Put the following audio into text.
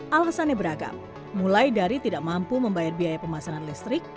alasannya beragam mulai dari tidak mampu membayar biaya pemasangan listrik